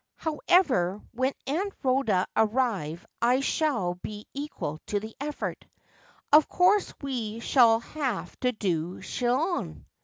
However, when Aunt Rhoda arrive I shall be equal to the effort. Of course we shall have to do Chillon.'